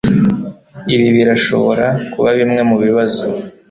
Ibi birashobora kuba bimwe mubibazo